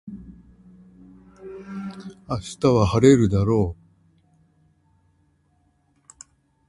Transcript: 明日は晴れるだろう